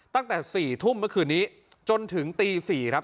ตั้งแต่๔ทุ่มเมื่อคืนนี้จนถึงตี๔ครับ